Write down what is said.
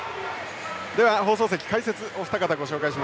では放送席解説お二方ご紹介しましょう。